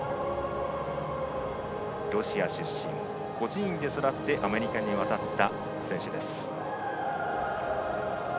ロシア出身、孤児院で育ってアメリカに渡った選手です。